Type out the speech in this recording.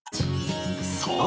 そう！